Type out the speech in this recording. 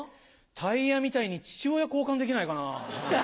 タイヤみたいに父親交換できないかなぁ。